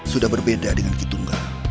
sudah berbeda dengan kitungga